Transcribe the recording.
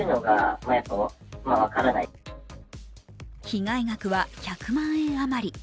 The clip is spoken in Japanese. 被害額は１００万円あまり。